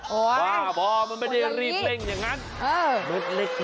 ว้าวพอมันไม่ได้ดูเรียนเป็นอย่างงั้น